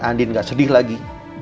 andin gak sedih lagi